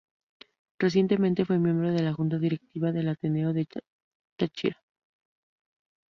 Recientemente fue miembro de la junta directiva del Ateneo del Táchira.